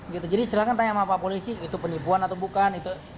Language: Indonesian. gitu jadi silahkan tanya sama pak polisi itu penipuan atau bukan itu